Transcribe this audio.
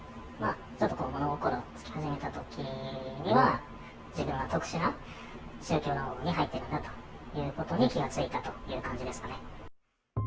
ちょっと物心つき始めたときには、自分は特殊な宗教に入ってるなということに気が付いたという感じですかね。